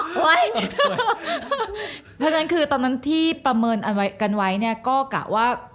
เพราะฉะนั้นคือตอนที่ประเมินกันไว้ก็กะว่า